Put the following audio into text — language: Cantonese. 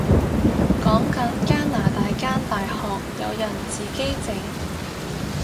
講緊加拿大間大學有人自己整